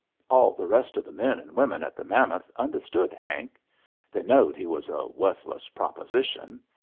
All the rest of the men and women at the Mammoth understood Hank. They knowed he was a worthless proposition.